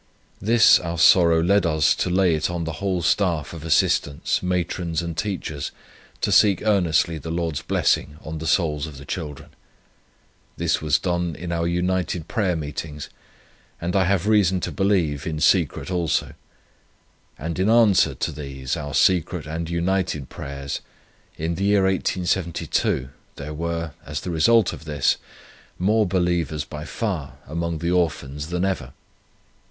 This our sorrow led us to lay it on the whole staff of assistants, matrons and teachers, to seek earnestly the Lord's blessing on the souls of the children. This was done in our united prayer meetings, and, I have reason to believe, in secret also; and in answer to these our secret and united prayers, in the year 1872, there were, as the result of this, more believers by far among the Orphans than ever.